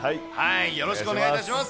よろしくお願いします。